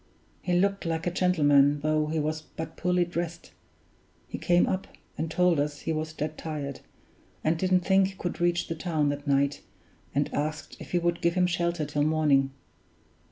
He looked like a gentleman, though he was but poorly dressed. He came up, and told us he was dead tired, and didn't think he could reach the town that night and asked if we would give him shelter till morning.